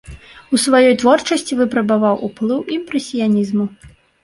У сваёй творчасці выпрабаваў ўплыў імпрэсіянізму.